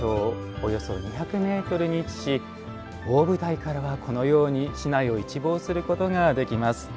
およそ２００ｍに位置し大舞台からは、このように市内を一望することができます。